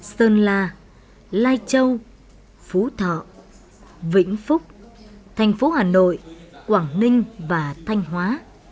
sơn la lai châu phú thọ vĩnh phúc thành phố hà nội quảng ninh và thanh hóa